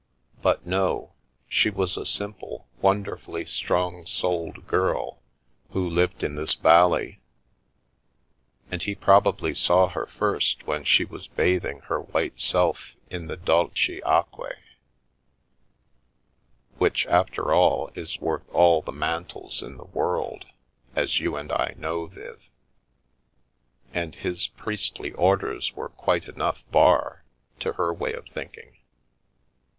But no, she was a simple, wonderfully strong souled girl, who lived in this valley, and he probably saw her first when she was bathing her white self in the ' dolci acque,' which, after all, is worth all the mantles in the world — as you and I know, Viv. And his priestly orders were quite enough bar, to her way of thinking.